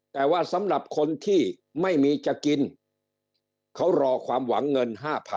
แต่ว่าสำหรับคนที่ไม่มีจะกินเขารอความหวังเงิน๕๐๐๐